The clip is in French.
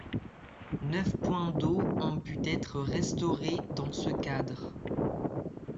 Neuf points d'eau ont pu être restaurés dans ce cadre.